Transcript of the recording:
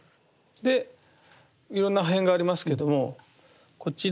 でいろんな破片がありますけどもこちらの。